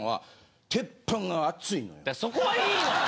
そこはいいの！